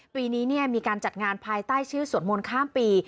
ปีนี้มีการจัดงานภายใต้ชื่อสวดมนต์ข้ามปี